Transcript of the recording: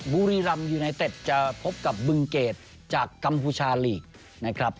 บูรีรัมยูไนเต็ดจะพบกับบึงเกดจากกัมพูชาลีก